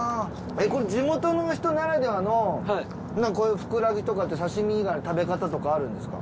これ地元の人ならではのこういうフクラギとかって刺身以外食べ方とかあるんですか？